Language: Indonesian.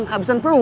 gue mau koh bold